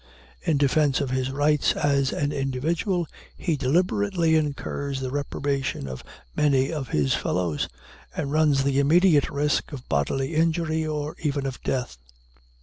In defense of his rights as an individual, he deliberately incurs the reprobation of many of his fellows, and runs the immediate risk of bodily injury, or even of death.